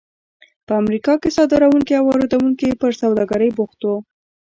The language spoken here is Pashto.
په امریکا کې صادروونکي او واردوونکي پر سوداګرۍ بوخت وو.